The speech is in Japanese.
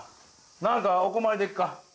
何かお困りでっか？